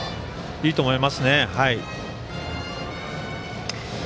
いいと思います。